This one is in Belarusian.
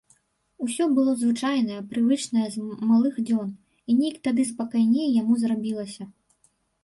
Усё было звычайнае, прывычнае з малых дзён, і нейк тады спакайней яму зрабілася.